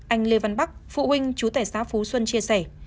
anh lê văn bắc phụ huynh chú tẻ xá phú xuân chia sẻ